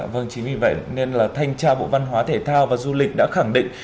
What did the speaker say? vâng chính vì vậy nên là thanh tra bộ văn hóa thể thao và du lịch đã khẳng định